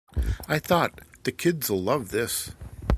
I thought, 'The kids'll love this.